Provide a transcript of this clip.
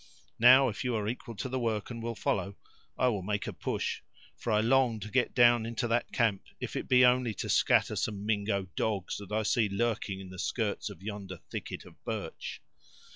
Now, if you are equal to the work, and will follow, I will make a push; for I long to get down into that camp, if it be only to scatter some Mingo dogs that I see lurking in the skirts of yonder thicket of birch."